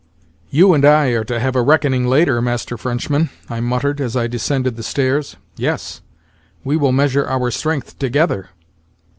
"You and I are to have a reckoning later, Master Frenchman," I muttered as I descended the stairs. "Yes, we will measure our strength together."